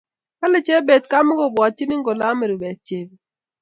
kale jebet kamukobwatchini kole ame rupet jebet